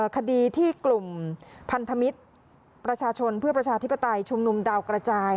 คดีที่กลุ่มพันธมิตรประชาชนเพื่อประชาธิปไตยชุมนุมดาวกระจาย